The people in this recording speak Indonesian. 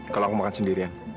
kalau aku makan sendirian